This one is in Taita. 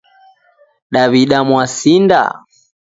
Daw'ida mwasinda